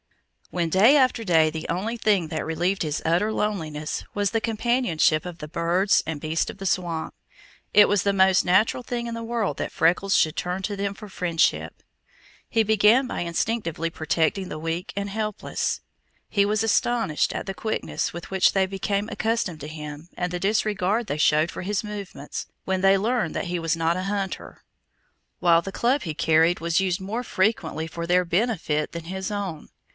When day after day the only thing that relieved his utter loneliness was the companionship of the birds and beasts of the swamp, it was the most natural thing in the world that Freckles should turn to them for friendship. He began by instinctively protecting the weak and helpless. He was astonished at the quickness with which they became accustomed to him and the disregard they showed for his movements, when they learned that he was not a hunter, while the club he carried was used more frequently for their benefit than his own.